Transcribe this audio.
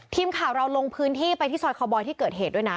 ทีมข่าวเราลงพื้นที่ไปที่ซอยคอบอยที่เกิดเหตุด้วยนะ